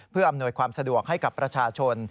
เพื่ออำนวยความสะดวกให้กับประชาชน